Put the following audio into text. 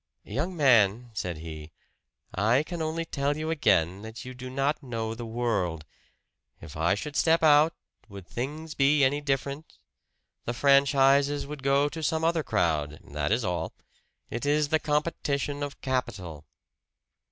"Young man," said he. "I can only tell you again that you do not know the world. If I should step out, would things be any different? The franchises would go to some other crowd that is all. It is the competition of capital."